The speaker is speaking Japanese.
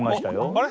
あれ？